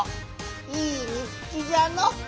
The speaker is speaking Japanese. いいにっきじゃの！